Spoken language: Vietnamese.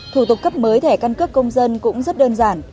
thủ tục cấp mới thẻ căn cước công dân cũng rất đơn giản